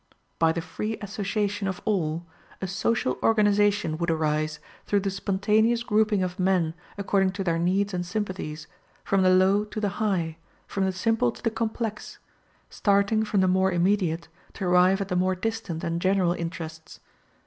By the free association of all, a social organization would arise through the spontaneous grouping of men according to their needs and sympathies, from the low to the high, from the simple to the complex, starting from the more immediate to arrive at the more distant and general interests.